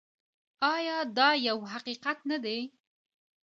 آیا دا یو حقیقت نه دی؟